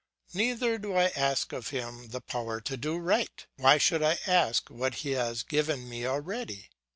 Neither do I ask of him the power to do right; why should I ask what he has given me already?